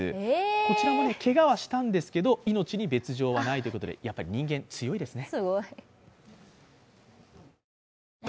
こちらはけがはしたんですけど命に別状はないということでやっぱり人間、強いですね。